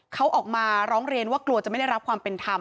เขาออกมาร้องเรียนว่ากลัวจะไม่ได้รับความเป็นธรรม